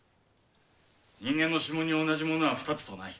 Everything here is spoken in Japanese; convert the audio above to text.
人間の指紋に同じものは２つとない。